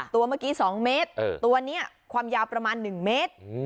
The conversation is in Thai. ตัวเมื่อกี้๒เมตรตัวนี้ความยาวประมาณ๑เมตร